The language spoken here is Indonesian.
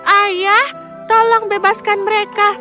ayah tolong bebaskan mereka